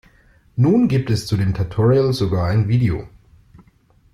Nun gibt es zu dem Tutorial sogar ein Video.